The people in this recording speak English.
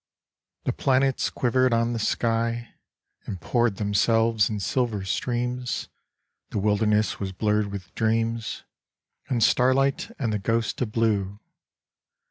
The planets quivered on the sky And poured themselves in silver streams, The wilderness was blurred with dreams And starlight and the ghost of blue.